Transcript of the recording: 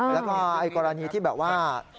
แล้วก็กรณีที่แบบว่า